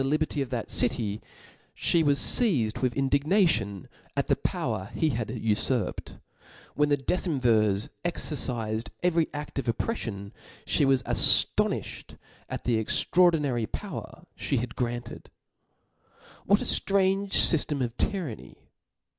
liberty of that city, flic was feizedwith indignation at the power he bad ufurped , when the decemvirs «ercifed every aft of oppreffion, fhe was aftonifhed at the extraordi nary power ffie had granted. What a ftrange fyftem of tyranny